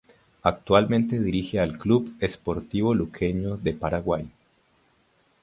Actualmente dirige al Club Sportivo Luqueño de Paraguay.